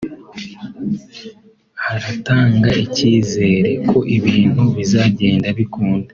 haratanga ikizere ko ibintu bizagenda bikunda